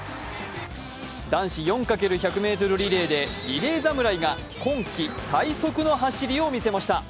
男子４×１００ｍリレーでリレー侍が今季最速の走りを見せました。